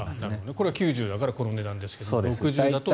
これは９０平米だからこの値段だけどと。